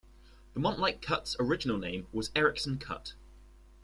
The Montlake Cut's original name was Erickson Cut.